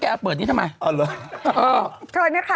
หยุดไหมหยุดเถอะ